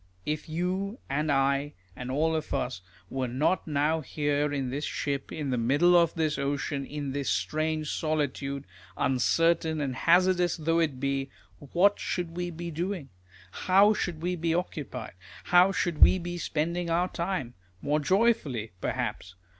If you, and I, and all of us were not now here in this ship, in the middle of this ocean, in this strange solitude, uncertain and hazardous though it be, what should we be doing ? How should we be occupied ? How should we be spending our time ? More joyfully perhaps